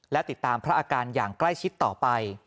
และติดตามพระอาการอย่างใกล้ชิดต่อไป